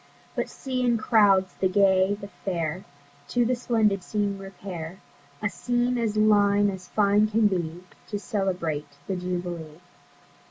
But see in crowds the Gay, the Fair, To the splendid scene repair, A scene as line as fine can be, To celebrate the Jubilee.